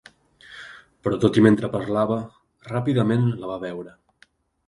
Però tot i mentre parlava, ràpidament la va veure.